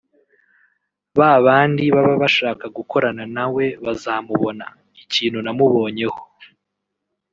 ba bandi baba bashaka gukorana na we bazamubona […] Ikintu namubonyeho